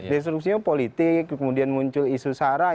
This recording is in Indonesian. distrupsinya politik kemudian muncul isu sarah